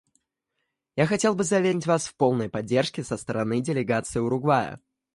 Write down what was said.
Я хотел бы заверить Вас в полной поддержке со стороны делегации Уругвая.